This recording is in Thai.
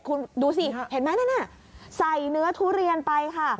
คุณดูสิเห็นไหมนั่นน่ะใส่เนื้อทุเรียนไปค่ะ